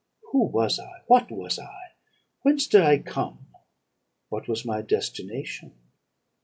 Who was I? What was I? Whence did I come? What was my destination?